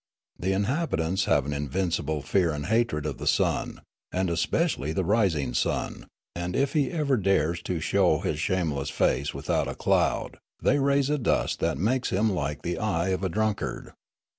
The inhabitants have an invincible fear and hatred of the sun, and especially the rising sun ; and if he ever dares to show his shameless face without a cloud they raise a dust that makes him like the eye of a drunkard.